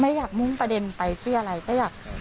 อยากมุ่งประเด็นไปที่อะไรก็อยาก